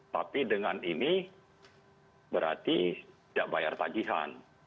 tapi dengan ini berarti tidak bayar tagihan